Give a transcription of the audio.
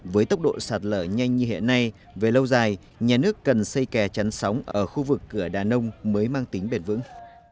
với tốc độ sạt lở nhanh như hiện nay về lâu dài nhà nước cần xây kè chắn sóng ở khu vực cửa đàn nông mới mang tính bền vững